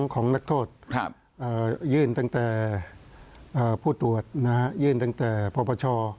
ของนักโทษยื่นตั้งแต่ผู้ตรวจยื่นตั้งแต่ปปช